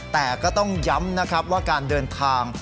แต่ก็ต้องย้ำนะครับว่าการเดินทาง